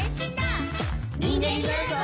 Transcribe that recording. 「にんげんになるぞ！」